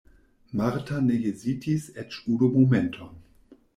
Marta ne hezitis eĉ unu momenton.